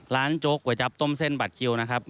โจ๊กก๋วยจับต้มเส้นบัตรคิวนะครับ